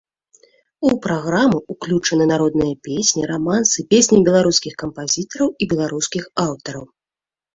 У праграму ўключаны народныя песні, рамансы, песні беларускіх кампазітараў і беларускіх аўтараў.